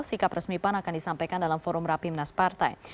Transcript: sikap resmi pan akan disampaikan dalam forum rapimnas partai